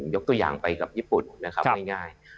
ยกตัวอย่างไปกับญี่ปุ่นนะครับง่าย